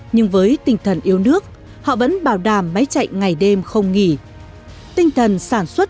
nhưng với tinh thần yêu nước họ vẫn bảo đảm máy chạy ngày đêm không nghỉ tinh thần sản xuất